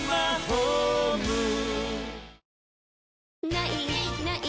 「ない！ない！